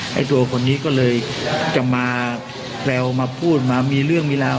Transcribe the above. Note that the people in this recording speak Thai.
ไอ้ตัวคนนี้ก็เลยจะมาแซวมาพูดมามีเรื่องมีราว